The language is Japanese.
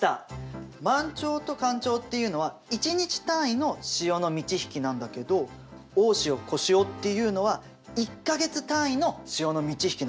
満潮と干潮っていうのは１日単位の潮の満ち引きなんだけど大潮小潮っていうのは１か月単位の潮の満ち引きなんだ。